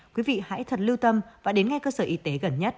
quý vị hãy thật lưu tâm và đến ngay cơ sở y tế gần nhất